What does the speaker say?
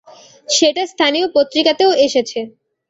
সেটা স্থানীয় পত্রিকাতেও এসেছে।